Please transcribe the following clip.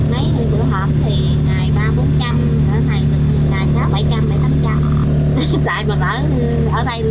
mấy vụ hộp thì ngày ba bốn trăm linh ngày sáu bảy trăm linh ngày bảy tám trăm linh